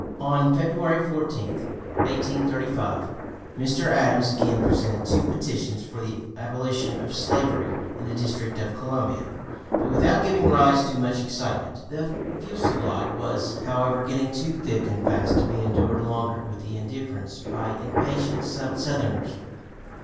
On February 14, 1835, Mr. Adams again presented two petitions for the abolition of slavery in the District of Columbia, but without giving rise to much excitement. The fusillade was, however, getting too thick and fast to be endured longer with indifference by the impatient Southerners.